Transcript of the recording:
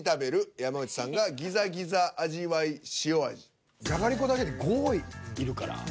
山内さんが「ギザギザ味わいしお味」。じゃがりこだけで５いるから。